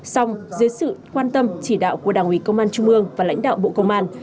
xong dưới sự quan tâm chỉ đạo của đảng ủy công an trung ương và lãnh đạo bộ công an